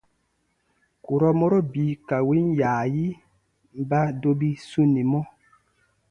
Kurɔ mɔro bii ka win yaayi ba dobi sunimɔ.